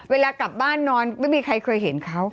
เวลากลับบ้านนอนไม่มีใครเคยเห็นเขา